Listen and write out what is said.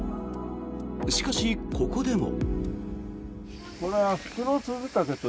しかし、ここでも。